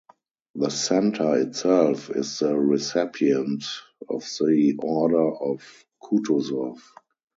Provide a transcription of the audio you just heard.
The Center itself is the recipient of the Order of Kutuzov.